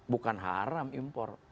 bukan haram impor